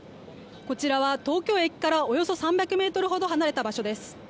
こちらは東京駅からおよそ３００ｍほど離れたところです。